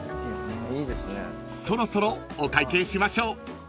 ［そろそろお会計しましょう］